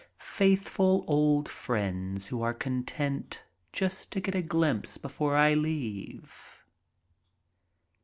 Faithful old friends who are content just to get a glimpse before I leave.